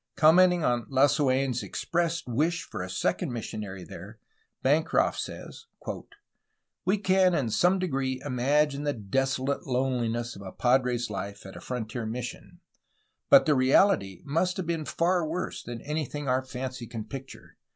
Commenting on Lasuen' s expressed wish for a second mis sionary there, Bancroft says : "We can in some"degree imagine'^the desolate loneliness of a padre's life at a frontier mission; but the reality must have been far worse than anything our fancy can picture.